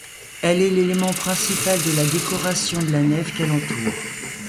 Elle est l'élément principal de la décoration de la nef, qu'elle entoure.